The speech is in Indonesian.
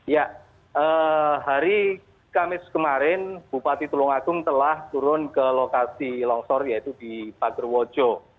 ya hari kamis kemarin bupati tulungagung telah turun ke lokasi longsor yaitu di pagruwajo